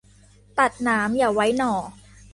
ตัดหนามอย่าไว้หน่อ